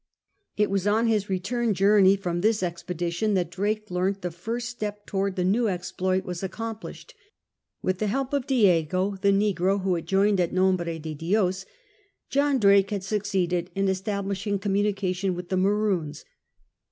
It was on his return journey from this expedition that Drake learnt the first step towards the new exploit was accomplished. With the help of Diego, the negro who had joined at Nombre de Dios, John Drake had suc ceeded in establishing communication with the Maroons.